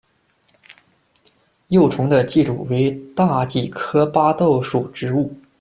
幼虫的寄主为大戟科巴豆属植物。